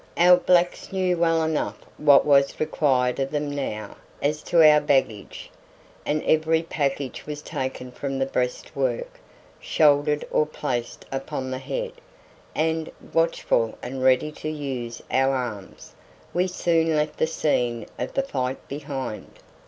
Our blacks knew well enough what was required of them now as to our baggage, and every package was taken from the breastwork, shouldered or placed upon the head, and, watchful and ready to use our arms, we soon left the scene of the fight behind.